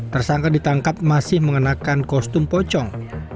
tersangka ditangkap masih mengenakan kostum pocong